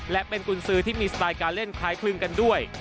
และเป็นกุญสือที่มีสไตล์การเล่นคล้ายคลึงกันด้วย